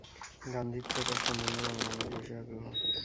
গান্ধীর চেয়ে তার সম্বন্ধেই আমার অনেক বেশী আগ্রহ।